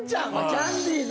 キャンディーズ。